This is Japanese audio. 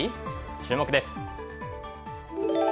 注目です。